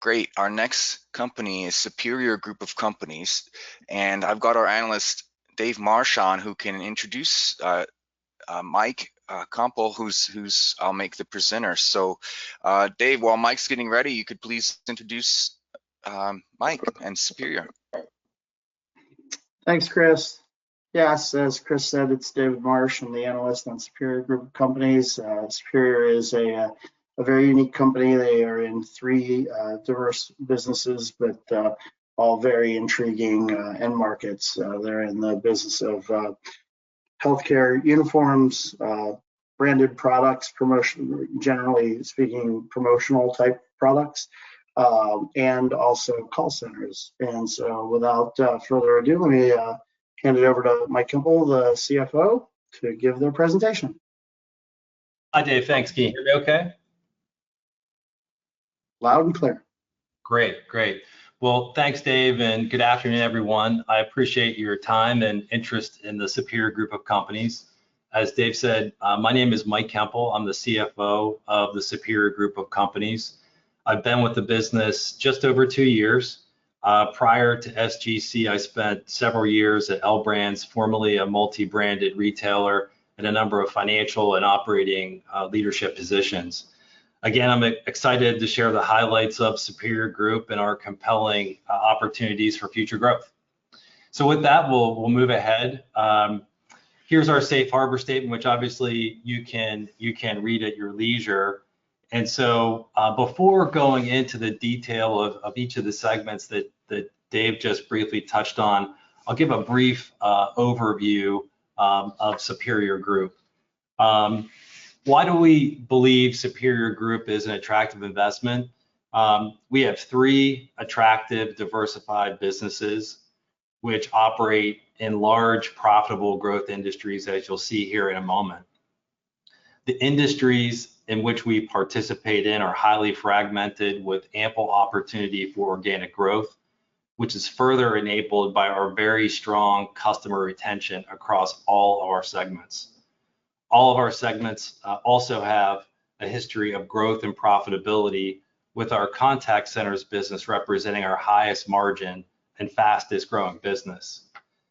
Great. Our next company is Superior Group of Companies, and I've got our analyst, Dave Marsh, on, who can introduce Mike Koempel, who's the presenter. So, Dave, while Mike's getting ready, you could please introduce Mike and Superior. Thanks, Chris. Yes, as Chris said, it's David Marsh. I'm the analyst on Superior Group of Companies. Superior is a very unique company. They are in three diverse businesses, but all very intriguing end markets. They're in the business of healthcare uniforms, branded products, promotion, generally speaking, promotional-type products, and also call centers. And so, without further ado, let me hand it over to Mike Koempel, the CFO, to give their presentation. Hi, Dave. Thanks. Can you hear me okay? Loud and clear. Great, great. Well, thanks, Dave, and good afternoon, everyone. I appreciate your time and interest in the Superior Group of Companies. As Dave said, my name is Mike Koempel. I'm the CFO of the Superior Group of Companies. I've been with the business just over two years. Prior to SGC, I spent several years at L Brands, formerly a multi-branded retailer, in a number of financial and operating leadership positions. Again, I'm excited to share the highlights of Superior Group and our compelling opportunities for future growth. So with that, we'll move ahead. Here's our safe harbor statement, which obviously you can read at your leisure. And so, before going into the detail of each of the segments that Dave just briefly touched on, I'll give a brief overview of Superior Group. Why do we believe Superior Group is an attractive investment? We have three attractive, diversified businesses which operate in large, profitable growth industries, as you'll see here in a moment. The industries in which we participate in are highly fragmented, with ample opportunity for organic growth, which is further enabled by our very strong customer retention across all our segments. All of our segments also have a history of growth and profitability, with our Contact Centers business representing our highest margin and fastest-growing business.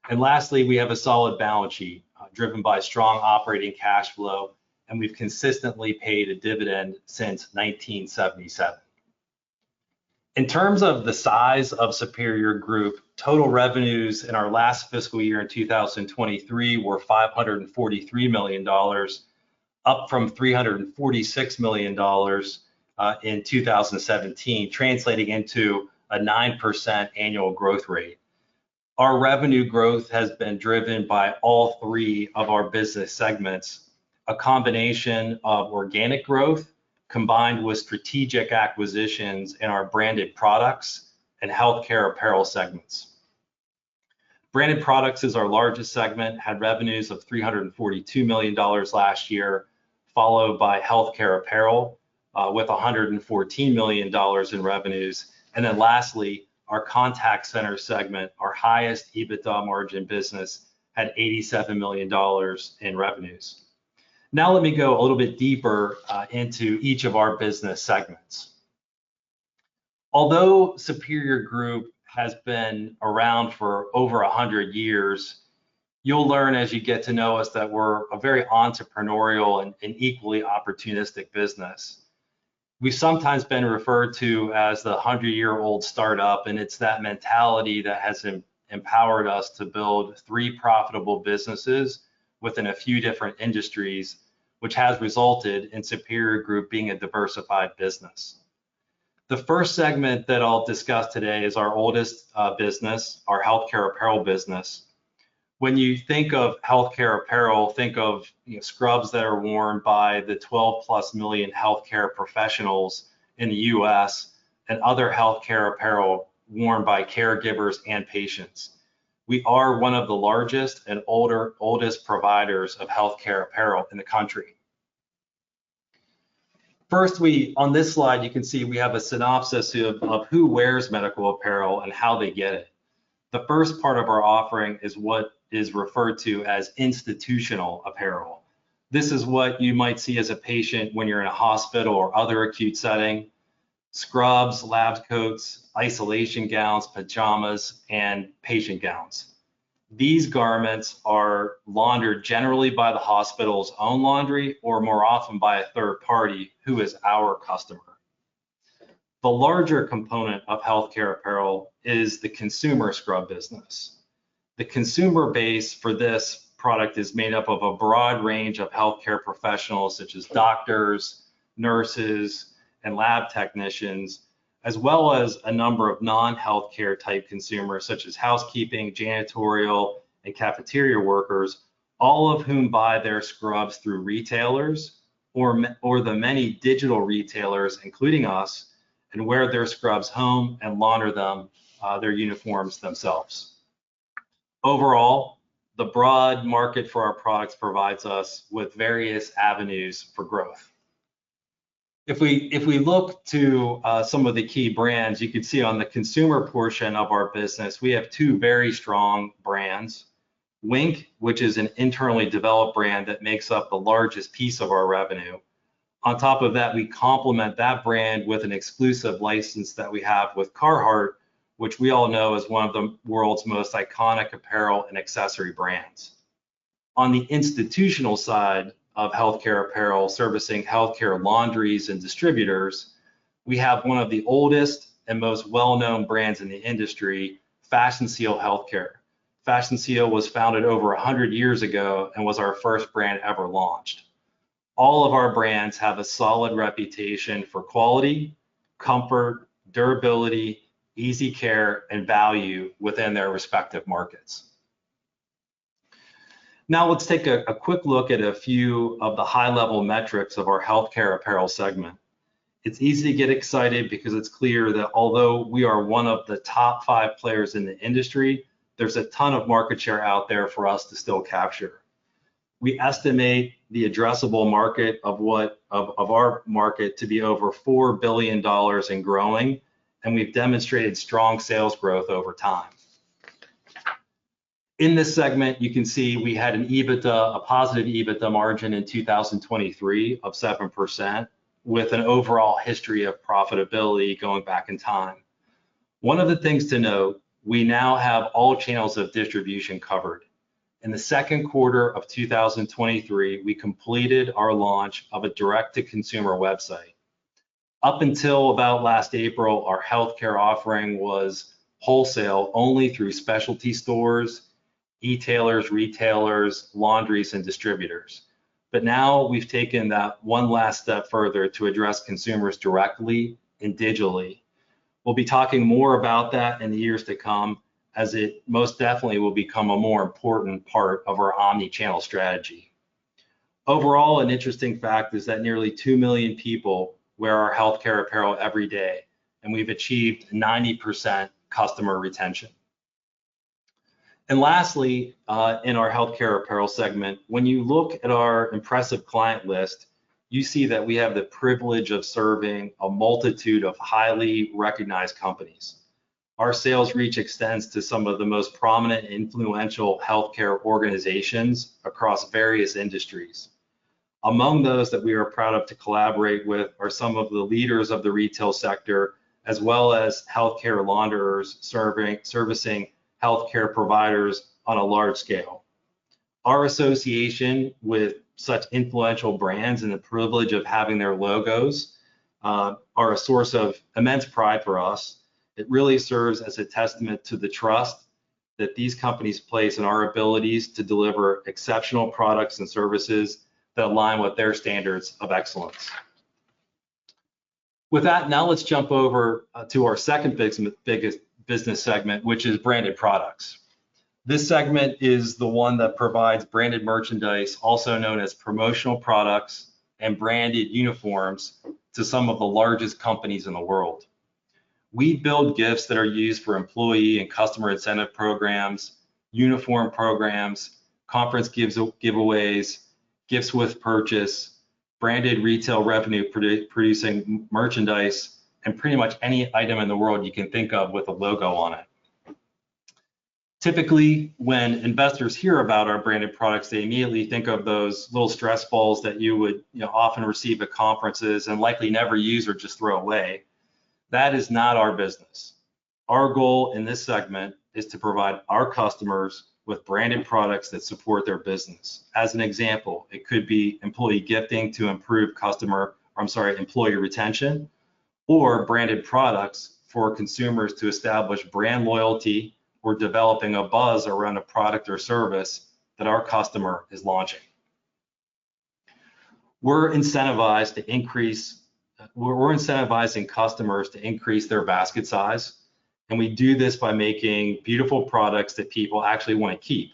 And lastly, we have a solid balance sheet, driven by strong operating cash flow, and we've consistently paid a dividend since 1977. In terms of the size of Superior Group, total revenues in our last fiscal year, in 2023, were $543 million, up from $346 million, in 2017, translating into a 9% annual growth rate. Our revenue growth has been driven by all three of our business segments, a combination of organic growth combined with strategic acquisitions in our branded products and healthcare apparel segments. Branded products is our largest segment, had revenues of $342 million last year, followed by healthcare apparel, with $114 million in revenues. And then lastly, our contact center segment, our highest EBITDA margin business, had $87 million in revenues. Now, let me go a little bit deeper, into each of our business segments. Although Superior Group has been around for over a hundred years, you'll learn, as you get to know us, that we're a very entrepreneurial and equally opportunistic business. We've sometimes been referred to as the hundred-year-old startup, and it's that mentality that has empowered us to build three profitable businesses within a few different industries, which has resulted in Superior Group being a diversified business. The first segment that I'll discuss today is our oldest business, our healthcare apparel business. When you think of healthcare apparel, think of, you know, scrubs that are worn by the 12+ million healthcare professionals in the U.S., and other healthcare apparel worn by caregivers and patients. We are one of the largest and oldest providers of healthcare apparel in the country. First, we, on this slide, you can see we have a synopsis of who wears medical apparel and how they get it. The first part of our offering is what is referred to as institutional apparel. This is what you might see as a patient when you're in a hospital or other acute setting: scrubs, lab coats, isolation gowns, pajamas, and patient gowns. These garments are laundered generally by the hospital's own laundry, or more often by a third party, who is our customer. The larger component of healthcare apparel is the consumer scrub business. The consumer base for this product is made up of a broad range of healthcare professionals, such as doctors, nurses, and lab technicians, as well as a number of non-healthcare-type consumers, such as housekeeping, janitorial, and cafeteria workers, all of whom buy their scrubs through retailers or the many digital retailers, including us, and wear their scrubs home and launder them their uniforms themselves. Overall, the broad market for our products provides us with various avenues for growth. If we look to some of the key brands, you can see on the consumer portion of our business, we have two very strong brands. Wink, which is an internally developed brand that makes up the largest piece of our revenue. On top of that, we complement that brand with an exclusive license that we have with Carhartt, which we all know is one of the world's most iconic apparel and accessory brands. On the institutional side of healthcare apparel, servicing healthcare laundries, and distributors, we have one of the oldest and most well-known brands in the industry, Fashion Seal Healthcare. Fashion Seal was founded over a hundred years ago and was our first brand ever launched. All of our brands have a solid reputation for quality, comfort, durability, easy care, and value within their respective markets. Now, let's take a quick look at a few of the high-level metrics of our healthcare apparel segment. It's easy to get excited because it's clear that although we are one of the top five players in the industry, there's a ton of market share out there for us to still capture. We estimate the addressable market of our market to be over $4 billion and growing, and we've demonstrated strong sales growth over time. In this segment, you can see we had an EBITDA, a positive EBITDA margin in 2023 of 7%, with an overall history of profitability going back in time. One of the things to note, we now have all channels of distribution covered. In the second quarter of 2023, we completed our launch of a direct-to-consumer website. Up until about last April, our healthcare offering was wholesale only through specialty stores, e-tailers, retailers, laundries, and distributors. But now we've taken that one last step further to address consumers directly and digitally. We'll be talking more about that in the years to come, as it most definitely will become a more important part of our omni-channel strategy. Overall, an interesting fact is that nearly two million people wear our healthcare apparel every day, and we've achieved 90% customer retention. And lastly, in our healthcare apparel segment, when you look at our impressive client list, you see that we have the privilege of serving a multitude of highly recognized companies. Our sales reach extends to some of the most prominent influential healthcare organizations across various industries. Among those that we are proud of to collaborate with are some of the leaders of the retail sector, as well as healthcare launderers, serving, servicing healthcare providers on a large scale. Our association with such influential brands and the privilege of having their logos, are a source of immense pride for us. It really serves as a testament to the trust that these companies place in our abilities to deliver exceptional products and services that align with their standards of excellence. With that, now let's jump over to our second biggest business segment, which is branded products. This segment is the one that provides branded merchandise, also known as promotional products and branded uniforms, to some of the largest companies in the world. We build gifts that are used for employee and customer incentive programs, uniform programs, conference gives, giveaways, gifts with purchase, branded retail revenue producing merchandise, and pretty much any item in the world you can think of with a logo on it. Typically, when investors hear about our branded products, they immediately think of those little stress balls that you would, you know, often receive at conferences and likely never use or just throw away. That is not our business. Our goal in this segment is to provide our customers with branded products that support their business. As an example, it could be employee gifting to improve customer... I'm sorry, employee retention, or branded products for consumers to establish brand loyalty or developing a buzz around a product or service that our customer is launching. We're incentivized to increase, we're incentivizing customers to increase their basket size, and we do this by making beautiful products that people actually want to keep,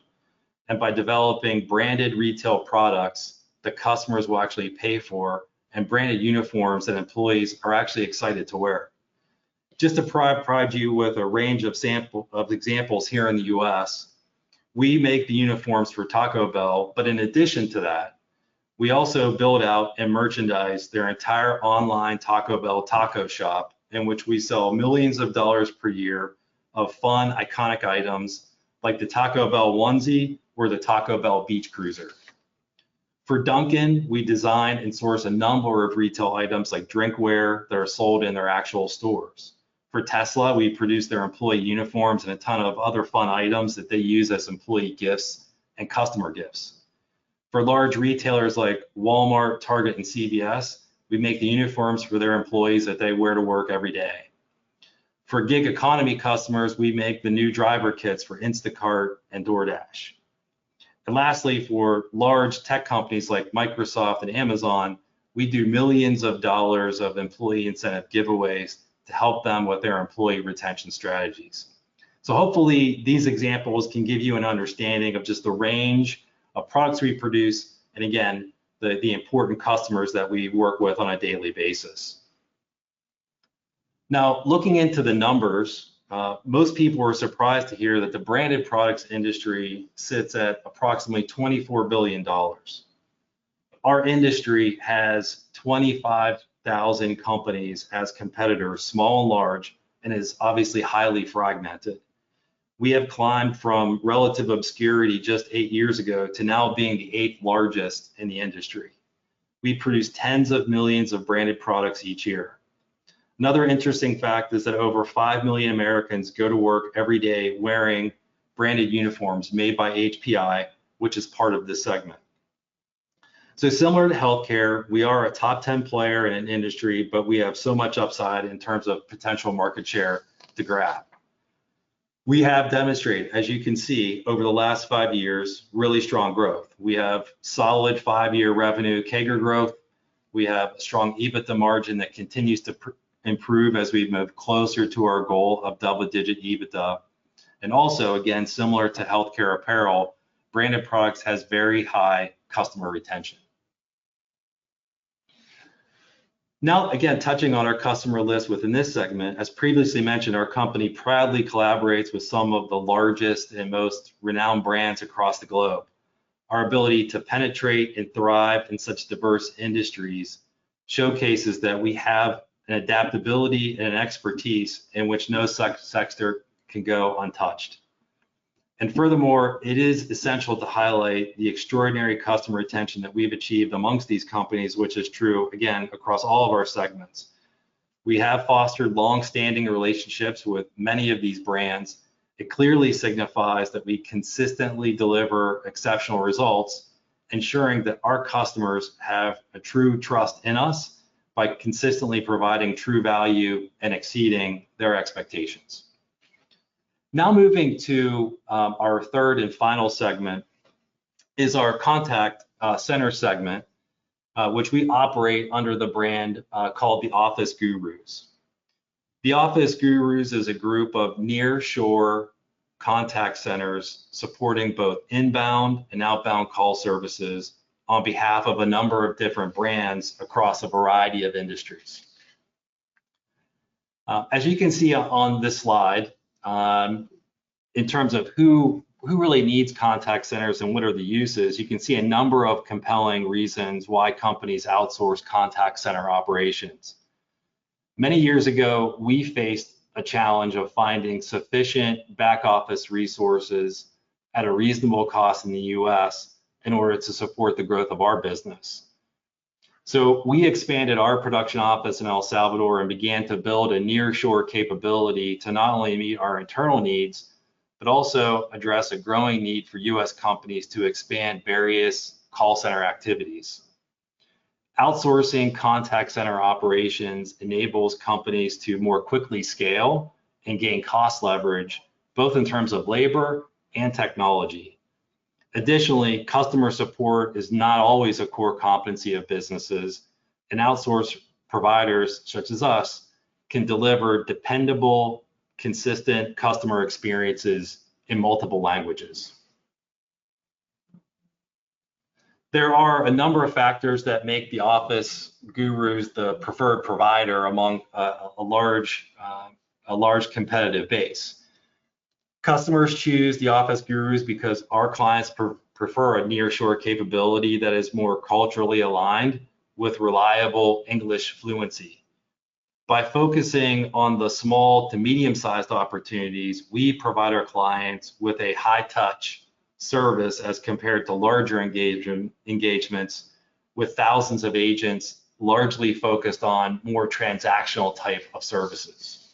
and by developing branded retail products that customers will actually pay for, and branded uniforms that employees are actually excited to wear. Just to provide you with a range of sample examples here in the U.S., we make the uniforms for Taco Bell, but in addition to that, we also build out and merchandise their entire online Taco Bell Taco shop, in which we sell millions of dollars per year of fun, iconic items like the Taco Bell Onesie or the Taco Bell Beach Cruiser. For Dunkin', we design and source a number of retail items, like drinkware, that are sold in their actual stores. For Tesla, we produce their employee uniforms and a ton of other fun items that they use as employee gifts and customer gifts. For large retailers like Walmart, Target, and CVS, we make the uniforms for their employees that they wear to work every day. For gig economy customers, we make the new driver kits for Instacart and DoorDash. And lastly, for large tech companies like Microsoft and Amazon, we do millions of dollars of employee incentive giveaways to help them with their employee retention strategies. So hopefully, these examples can give you an understanding of just the range of products we produce, and again, the important customers that we work with on a daily basis. Now, looking into the numbers, most people are surprised to hear that the branded products industry sits at approximately $24 billion. Our industry has 25,000 companies as competitors, small and large, and is obviously highly fragmented. We have climbed from relative obscurity just eight years ago to now being the eighth largest in the industry. We produce tens of millions of branded products each year. Another interesting fact is that over five million Americans go to work every day wearing branded uniforms made by HPI, which is part of this segment. So similar to healthcare, we are a top 10 player in an industry, but we have so much upside in terms of potential market share to grab. We have demonstrated, as you can see, over the last five years, really strong growth. We have solid five-year revenue CAGR growth. We have strong EBITDA margin that continues to improve as we move closer to our goal of double-digit EBITDA. And also, again, similar to healthcare apparel, branded products has very high customer retention. Now, again, touching on our customer list within this segment, as previously mentioned, our company proudly collaborates with some of the largest and most renowned brands across the globe. Our ability to penetrate and thrive in such diverse industries showcases that we have an adaptability and expertise in which no such sector can go untouched, and furthermore, it is essential to highlight the extraordinary customer retention that we have achieved amongst these companies, which is true, again, across all of our segments. We have fostered long-standing relationships with many of these brands. It clearly signifies that we consistently deliver exceptional results, ensuring that our customers have a true trust in us by consistently providing true value and exceeding their expectations. Now, moving to our third and final segment is our contact center segment, which we operate under the brand called The Office Gurus. The Office Gurus is a group of nearshore contact centers supporting both inbound and outbound call services on behalf of a number of different brands across a variety of industries. As you can see on this slide, in terms of who really needs contact centers and what are the uses, you can see a number of compelling reasons why companies outsource contact center operations. Many years ago, we faced a challenge of finding sufficient back office resources at a reasonable cost in the U.S. in order to support the growth of our business. So we expanded our production office in El Salvador and began to build a nearshore capability to not only meet our internal needs, but also address a growing need for U.S. companies to expand various call center activities. Outsourcing contact center operations enables companies to more quickly scale and gain cost leverage, both in terms of labor and technology. Additionally, customer support is not always a core competency of businesses, and outsource providers such as us can deliver dependable, consistent customer experiences in multiple languages. There are a number of factors that make The Office Gurus the preferred provider among a large competitive base. Customers choose The Office Gurus because our clients prefer a nearshore capability that is more culturally aligned with reliable English fluency. By focusing on the small to medium-sized opportunities, we provide our clients with a high touch service as compared to larger engagements with thousands of agents, largely focused on more transactional type of services.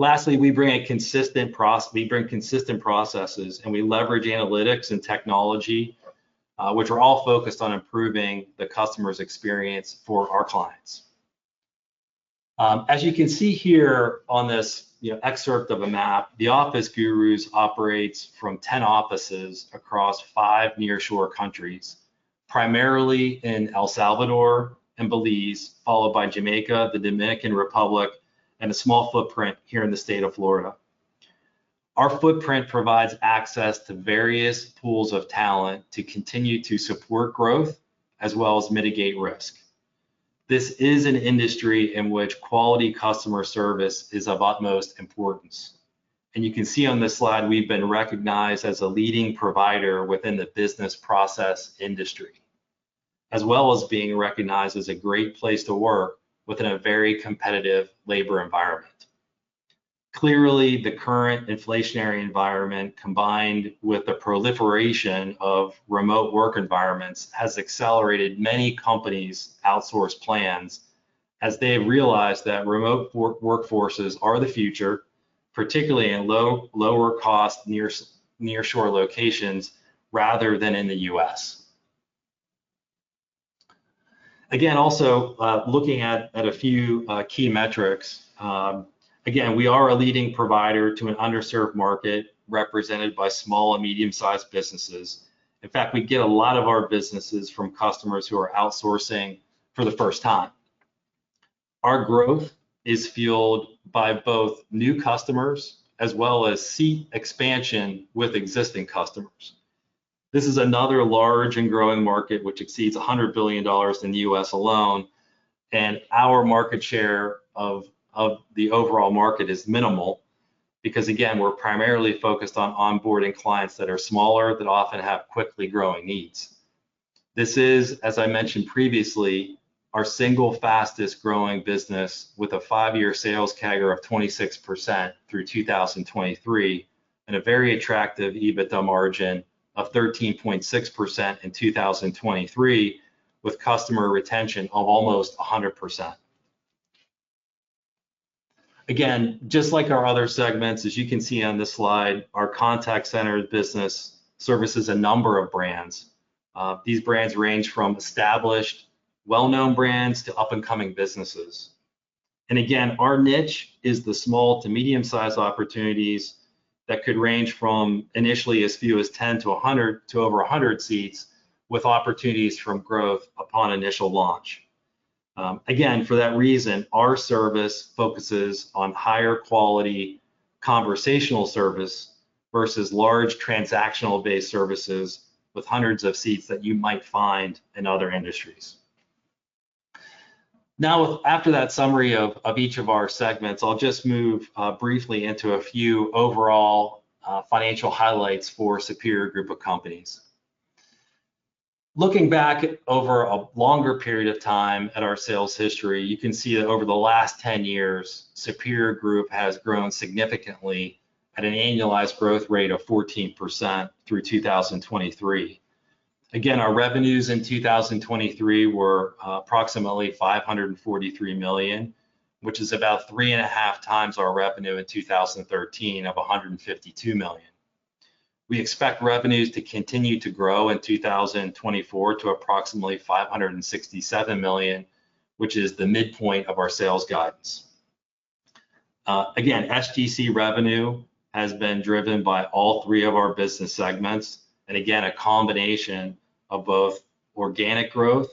Lastly, we bring a consistent proc... We bring consistent processes, and we leverage analytics and technology, which are all focused on improving the customer's experience for our clients. As you can see here on this, you know, excerpt of a map, The Office Gurus operates from 10 offices across 5 nearshore countries, primarily in El Salvador and Belize, followed by Jamaica, the Dominican Republic, and a small footprint here in the state of Florida. Our footprint provides access to various pools of talent to continue to support growth as well as mitigate risk. This is an industry in which quality customer service is of utmost importance, and you can see on this slide, we've been recognized as a leading provider within the business process industry, as well as being recognized as a great place to work within a very competitive labor environment. Clearly, the current inflationary environment, combined with the proliferation of remote work environments, has accelerated many companies' outsource plans as they realize that remote work, workforces are the future, particularly in lower cost, nearshore locations rather than in the U.S. Again, also, looking at a few key metrics, again, we are a leading provider to an underserved market represented by small and medium-sized businesses. In fact, we get a lot of our businesses from customers who are outsourcing for the first time. Our growth is fueled by both new customers as well as seat expansion with existing customers. This is another large and growing market, which exceeds $100 billion in the U.S. alone, and our market share of the overall market is minimal, because again, we're primarily focused on onboarding clients that are smaller, that often have quickly growing needs. This is, as I mentioned previously, our single fastest growing business, with a five-year sales CAGR of 26% through 2023, and a very attractive EBITDA margin of 13.6% in 2023, with customer retention of almost 100%. Again, just like our other segments, as you can see on this slide, our contact center business services a number of brands. These brands range from established, well-known brands to up-and-coming businesses. And again, our niche is the small to medium-sized opportunities that could range from initially as few as 10 to 100, to over 100 seats, with opportunities from growth upon initial launch. Again, for that reason, our service focuses on higher quality conversational service versus large transactional-based services with hundreds of seats that you might find in other industries. Now, after that summary of each of our segments, I'll just move briefly into a few overall financial highlights for Superior Group of Companies. Looking back over a longer period of time at our sales history, you can see that over the last 10 years, Superior Group has grown significantly at an annualized growth rate of 14% through 2023. Again, our revenues in 2023 were approximately $543 million, which is about three and a half times our revenue in 2013 of $152 million. We expect revenues to continue to grow in 2024 to approximately $567 million, which is the midpoint of our sales guidance. Again, SGC revenue has been driven by all three of our business segments, and again, a combination of both organic growth,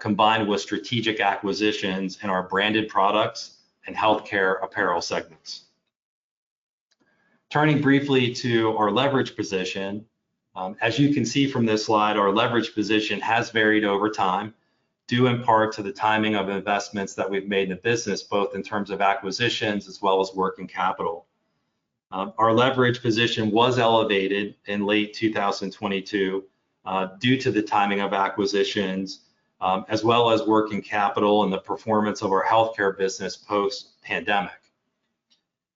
combined with strategic acquisitions in our branded products and healthcare apparel segments. Turning briefly to our leverage position, as you can see from this slide, our leverage position has varied over time, due in part to the timing of investments that we've made in the business, both in terms of acquisitions as well as working capital. Our leverage position was elevated in late 2022, due to the timing of acquisitions, as well as working capital and the performance of our healthcare business post-pandemic.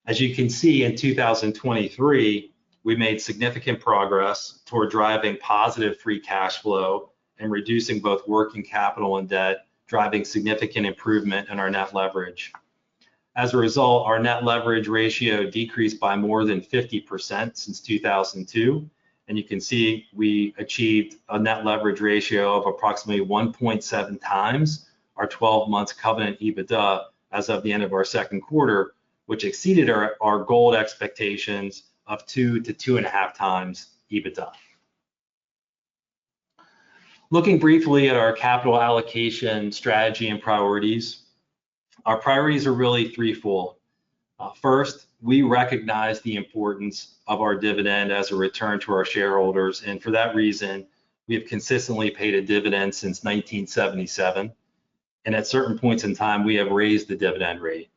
As you can see, in 2023, we made significant progress toward driving positive free cash flow and reducing both working capital and debt, driving significant improvement in our net leverage. As a result, our net leverage ratio decreased by more than 50% since 2002, and you can see we achieved a net leverage ratio of approximately 1.7 times our twelve-month covenant EBITDA as of the end of our second quarter, which exceeded our goal expectations of 2-2.5 times EBITDA. Looking briefly at our capital allocation strategy and priorities, our priorities are really threefold. First, we recognize the importance of our dividend as a return to our shareholders, and for that reason, we have consistently paid a dividend since 1977, and at certain points in time, we have raised the dividend rate.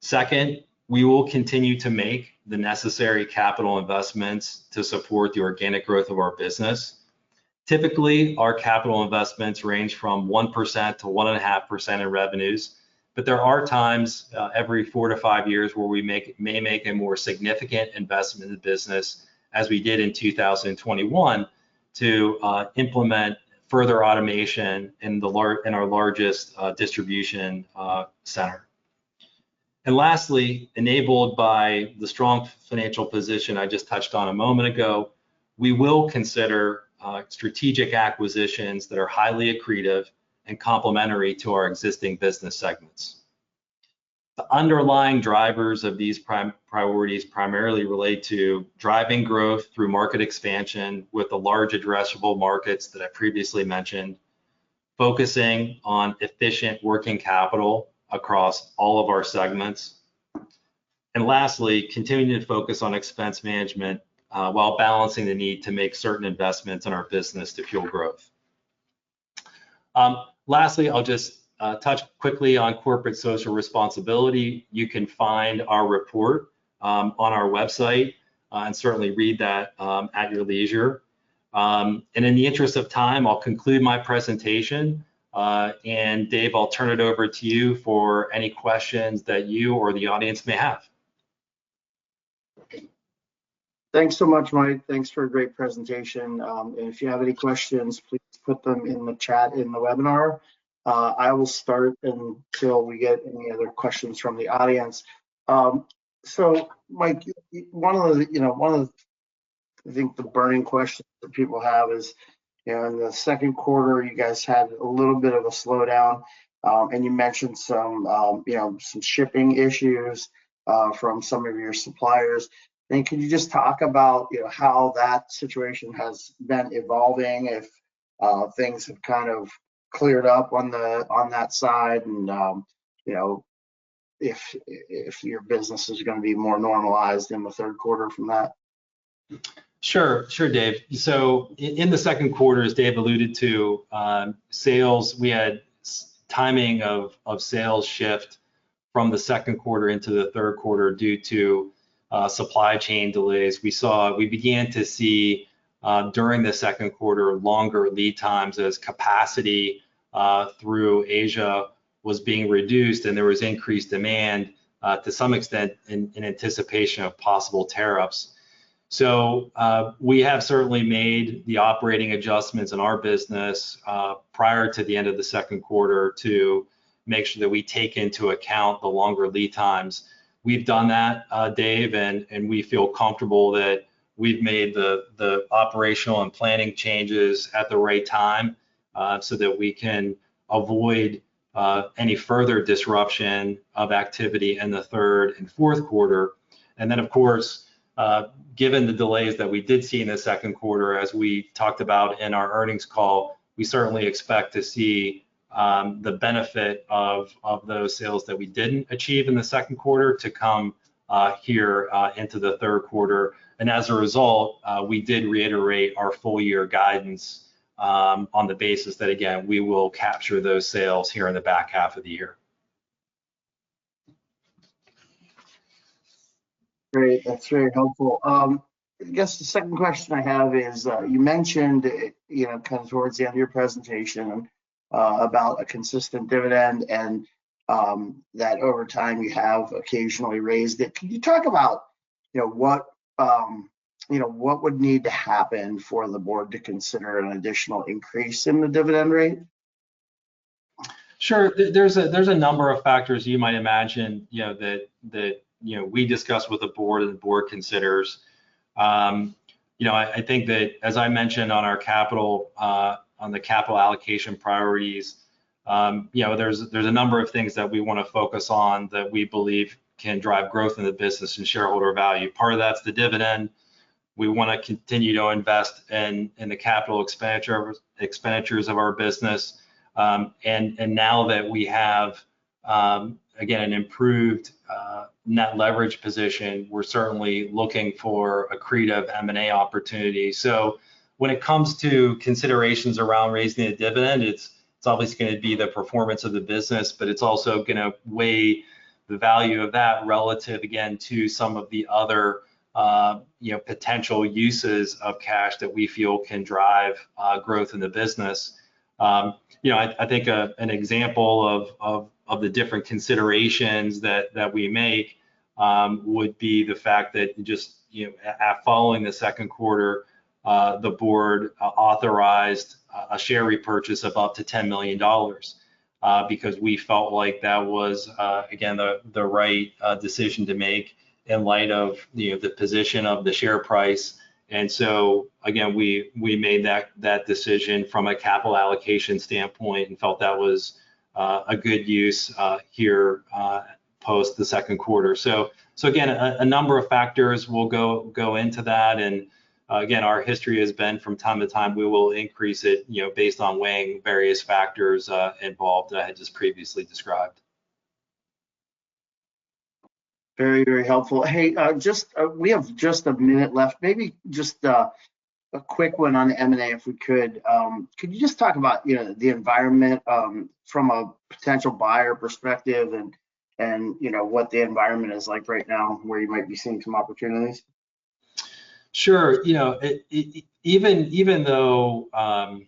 Second, we will continue to make the necessary capital investments to support the organic growth of our business. Typically, our capital investments range from 1%-1.5% in revenues, but there are times every four to five years, where we may make a more significant investment in the business, as we did in 2021, to implement further automation in our largest distribution center. And lastly, enabled by the strong financial position I just touched on a moment ago, we will consider strategic acquisitions that are highly accretive and complementary to our existing business segments. The underlying drivers of these priorities primarily relate to driving growth through market expansion with the large addressable markets that I previously mentioned, focusing on efficient working capital across all of our segments, and lastly, continuing to focus on expense management while balancing the need to make certain investments in our business to fuel growth. Lastly, I'll just touch quickly on corporate social responsibility. You can find our report on our website, and certainly read that at your leisure. And in the interest of time, I'll conclude my presentation. And Dave, I'll turn it over to you for any questions that you or the audience may have. Thanks so much, Mike. Thanks for a great presentation. If you have any questions, please put them in the chat in the webinar. I will start until we get any other questions from the audience. So Mike, one of the, you know, one of the, I think the burning questions that people have is, you know, in the second quarter, you guys had a little bit of a slowdown, and you mentioned some, you know, some shipping issues, from some of your suppliers. And can you just talk about, you know, how that situation has been evolving, if, things have kind of cleared up on the, on that side, and, you know, if, if your business is gonna be more normalized in the third quarter from that?... Sure, sure, Dave. So in the second quarter, as Dave alluded to, sales, we had timing of sales shift from the second quarter into the third quarter due to supply chain delays. We began to see during the second quarter longer lead times as capacity through Asia was being reduced and there was increased demand to some extent in anticipation of possible tariffs. So we have certainly made the operating adjustments in our business prior to the end of the second quarter to make sure that we take into account the longer lead times. We've done that, Dave, and we feel comfortable that we've made the operational and planning changes at the right time so that we can avoid any further disruption of activity in the third and fourth quarter. And then, of course, given the delays that we did see in the second quarter, as we talked about in our earnings call, we certainly expect to see the benefit of those sales that we didn't achieve in the second quarter to come here into the third quarter. And as a result, we did reiterate our full year guidance on the basis that, again, we will capture those sales here in the back half of the year. Great. That's very helpful. I guess the second question I have is, you mentioned, you know, kind of towards the end of your presentation, about a consistent dividend and, that over time you have occasionally raised it. Can you talk about, you know, what, you know, what would need to happen for the board to consider an additional increase in the dividend rate? Sure. There's a number of factors you might imagine, you know, that you know, we discuss with the board and the board considers. You know, I think that, as I mentioned on our capital, on the capital allocation priorities, you know, there's a number of things that we wanna focus on that we believe can drive growth in the business and shareholder value. Part of that's the dividend. We wanna continue to invest in the capital expenditures of our business. And now that we have, again, an improved net leverage position, we're certainly looking for accretive M&A opportunities. So when it comes to considerations around raising the dividend, it's obviously gonna be the performance of the business, but it's also gonna weigh the value of that relative, again, to some of the other, you know, potential uses of cash that we feel can drive growth in the business. You know, I think an example of the different considerations that we make would be the fact that just following the second quarter, the board authorized a share repurchase of up to $10 million, because we felt like that was, again, the right decision to make in light of, you know, the position of the share price. And so, again, we made that decision from a capital allocation standpoint and felt that was a good use here post the second quarter. So again, a number of factors will go into that, and again, our history has been from time to time, we will increase it, you know, based on weighing various factors involved that I just previously described. Very, very helpful. Hey, just, we have just a minute left, maybe just, a quick one on the M&A, if we could. Could you just talk about, you know, the environment, from a potential buyer perspective and, and, you know, what the environment is like right now, where you might be seeing some opportunities? Sure. You know, even though,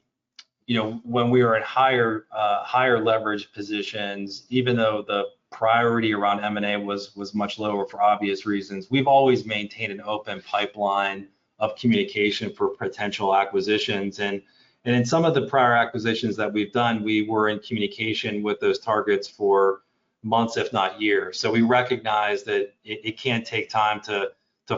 you know, when we are at higher leverage positions, even though the priority around M&A was much lower for obvious reasons, we've always maintained an open pipeline of communication for potential acquisitions. And in some of the prior acquisitions that we've done, we were in communication with those targets for months, if not years. So we recognize that it can take time to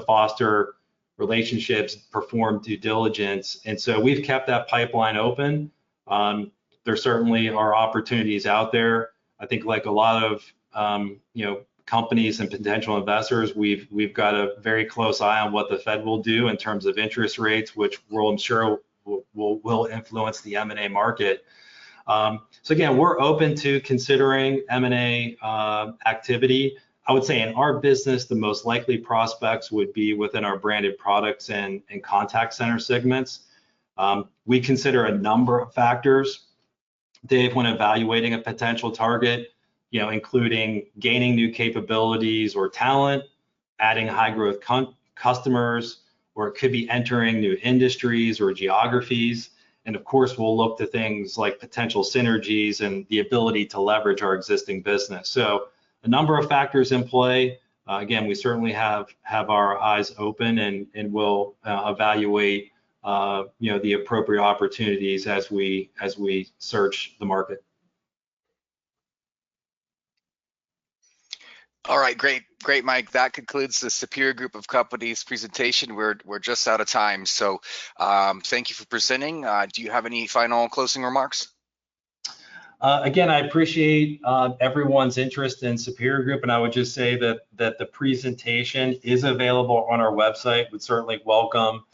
foster relationships, perform due diligence, and so we've kept that pipeline open. There certainly are opportunities out there. I think like a lot of, you know, companies and potential investors, we've got a very close eye on what the Fed will do in terms of interest rates, which will, I'm sure, influence the M&A market. So again, we're open to considering M&A activity. I would say in our business, the most likely prospects would be within our branded products and contact center segments. We consider a number of factors, Dave, when evaluating a potential target, you know, including gaining new capabilities or talent, adding high-growth customers, or it could be entering new industries or geographies, and of course, we'll look to things like potential synergies and the ability to leverage our existing business, so a number of factors in play. Again, we certainly have our eyes open and we'll evaluate, you know, the appropriate opportunities as we search the market. All right. Great, great, Mike. That concludes the Superior Group of Companies presentation. We're just out of time, so thank you for presenting. Do you have any final closing remarks? Again, I appreciate everyone's interest in Superior Group, and I would just say that the presentation is available on our website. We certainly welcome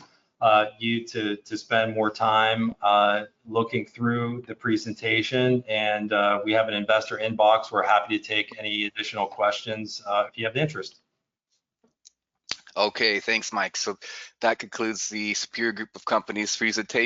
you to spend more time looking through the presentation and we have an investor inbox. We're happy to take any additional questions if you have the interest. Okay. Thanks, Mike. So that concludes the Superior Group of Companies presentation.